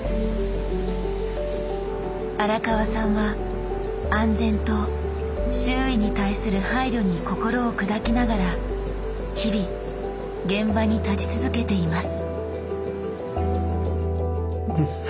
荒川さんは安全と周囲に対する配慮に心を砕きながら日々現場に立ち続けています。